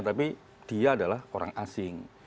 tapi dia adalah orang asing